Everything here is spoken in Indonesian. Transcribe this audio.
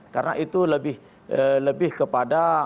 karena itu lebih kepada